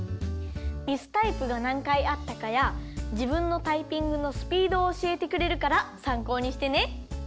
ミスタイプがなんかいあったかやじぶんのタイピングのスピードをおしえてくれるからさんこうにしてね。